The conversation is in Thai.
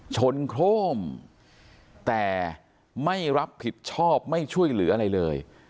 โครงแต่ไม่รับผิดชอบไม่ช่วยเหลืออะไรเลย